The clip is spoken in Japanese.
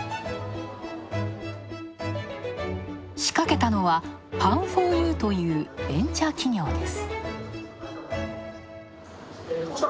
仕掛けたのは、パンフォーユーというベンチャー企業です。